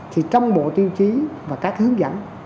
thì trong bộ tiêu chí và các hướng dẫn